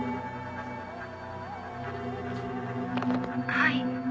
☎☎はい。